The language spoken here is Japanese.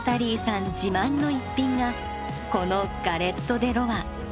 自慢の一品がこのガレット・デ・ロワ。